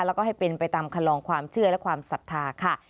แล้วก็ให้เป็นไปตามคำลองความเชื่อและความศรัทธาค่ะ